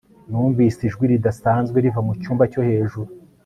numvise ijwi ridasanzwe riva mucyumba cyo hejuru